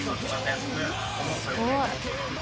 すごい。